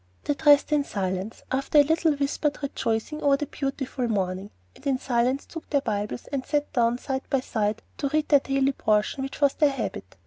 They dressed in silence, after a little whispered rejoicing over the beautiful morning, and in silence took their Bibles and sat down side by side to read the daily portion which was their habit.